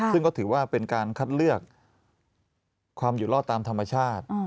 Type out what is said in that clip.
ซึ่งก็ถือว่าเป็นการคัดเลือกความอยู่รอดตามธรรมชาติ